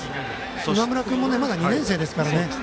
今村君も、まだ２年生ですからね。